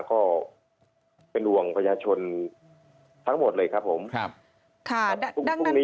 ก็เป็นดวงประชาชนทั้งหมดเลยครับผมครับค่ะดังนั้นค่ะ